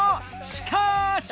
しかし！